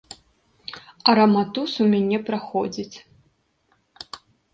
А раматус у мяне праходзіць.